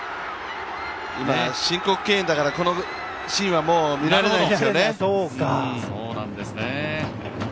申告敬遠だから、もうこのシーンは見られないんですよね。